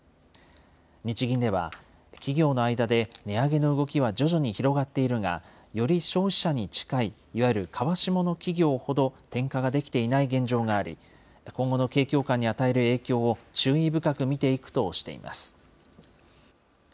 日銀では、企業の間で値上げの動きは徐々に広がっているが、より消費者に近い、いわゆる川下の企業ほど転嫁ができていない現状があり、今後の景況感に与える影響を注意深く見ていくとしています。